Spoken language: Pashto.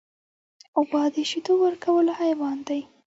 غوا د شیدو ورکولو حیوان دی.